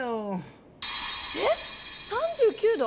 えっ３９度⁉